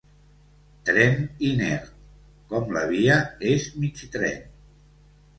«tren inert»— com la via és mig tren.